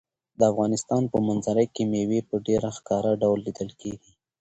د افغانستان په منظره کې مېوې په ډېر ښکاره ډول لیدل کېږي.